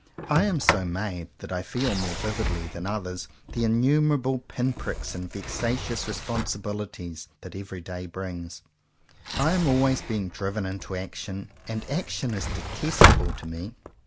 I am so made that I feel more vividly than others the innumerable pin pricks and vexa tious responsibilities that every day brings. I am always being driven into action, and action is detestable to me.